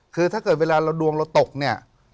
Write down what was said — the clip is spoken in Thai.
คือถ้าเกิดเวลาเราดวงเราตกเนี่ย